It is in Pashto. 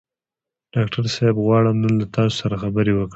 ډاکټر صاحب غواړم نن له تاسو سره خبرې وکړم.